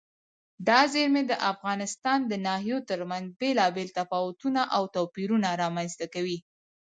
دا زیرمې د افغانستان د ناحیو ترمنځ بېلابېل تفاوتونه او توپیرونه رامنځ ته کوي.